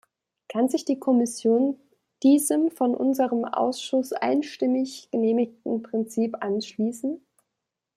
Kann sich die Kommission diesem von unserem Ausschuss einstimmig genehmigten Prinzip anschließen?